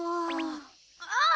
ああ！